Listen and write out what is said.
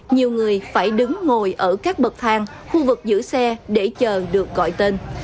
nhiều người phải đứng ngồi ở các bậc thang khu vực giữ xe để chờ được gọi tên